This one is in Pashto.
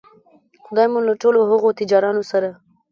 خدای مو له ټولو هغو تجارانو سره